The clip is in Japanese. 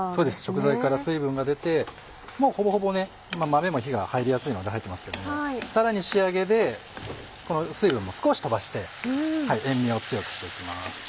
食材から水分が出てもうほぼほぼ豆も火が入りやすいので入ってますけれどもさらに仕上げでこの水分も少し飛ばして塩味を強くしていきます。